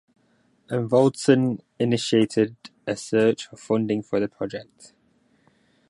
Enevoldson initiated a search for funding for the project.